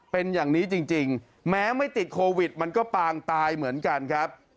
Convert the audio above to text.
เป็นอย่างนี้จริงแม้ไม่ติดโควิดมันก็ปางตายเหมือนกันครับ